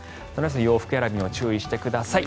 洋服選びにも注意してください。